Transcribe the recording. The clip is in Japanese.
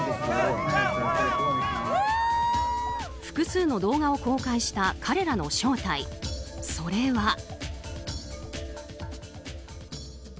複数の動画を公開した彼らの正体それは。